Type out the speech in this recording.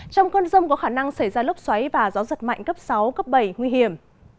trong cơn rông có khả năng xảy ra lốc xoáy và gió giật mạnh cấp sáu cấp bảy nguy hiểm